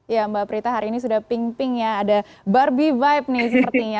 ya mbak prita hari ini sudah pink pink ya ada barbie vibe nih sepertinya